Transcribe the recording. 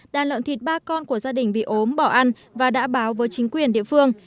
đàn lợn thịt ba con của gia đình bị ốm bỏ ăn và đã báo với chính quyền địa phương